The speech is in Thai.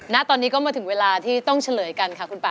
ณตอนนี้ก็มาถึงเวลาที่ต้องเฉลยกันค่ะคุณป่า